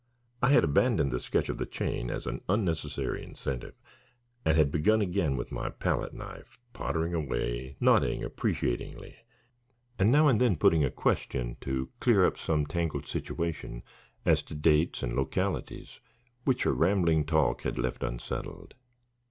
I had abandoned the sketch of the chain as an unnecessary incentive, and had begun again with my palette knife, pottering away, nodding appreciatingly, and now and then putting a question to clear up some tangled situation as to dates and localities which her rambling talk had left unsettled.